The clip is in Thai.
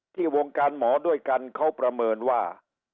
วงการหมอด้วยกันเขาประเมินว่า